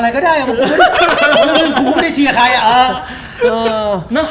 อะไรก็ได้ผมไม่ได้เชียร์ใครอะ